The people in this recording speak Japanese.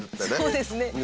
そうですね。